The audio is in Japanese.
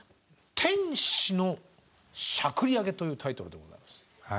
「天使のしゃくりあげ」というタイトルでございます。